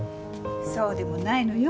そうでもないのよ。